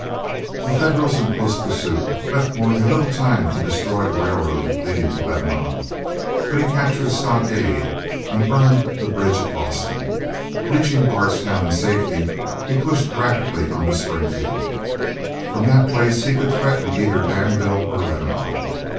The Federals, in close pursuit, left Morgan little time to destroy the railroad leading to Lebanon, but he captured a stockade, and burned the bridge at Boston. Reaching Bardstown in safety, he pushed rapidly on to Springfield. From that place he could threaten either Danville or Lebanon.